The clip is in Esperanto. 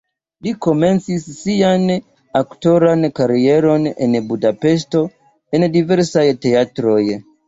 Li komencis sian aktoran karieron en Budapeŝto en diversaj teatroj.